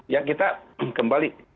ya kita kembali